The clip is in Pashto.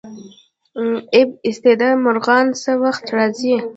اب ایستاده مرغان څه وخت راځي؟